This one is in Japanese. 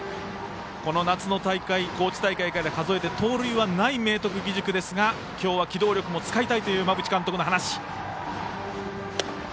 この夏の大会高知大会から数えて盗塁はない明徳義塾ですが今日は機動力も使いたいという馬淵監督の話。